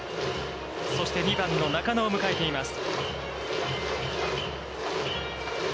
そして２番の中野を迎えています。